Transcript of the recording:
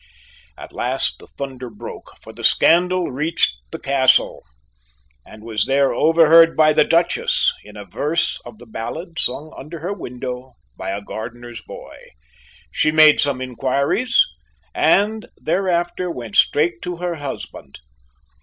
At last the thunder broke, for the scandal reached the castle, and was there overheard by the Duchess in a verse of the ballad sung under her window by a gardener's boy. She made some inquiries, and thereafter went straight to her husband.